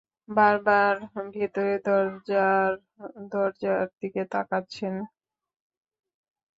বারবার ভেতরের দরজার দরজার দিকে তাকাচ্ছেন!